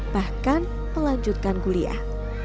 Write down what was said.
bahkan melanjutkan kuliah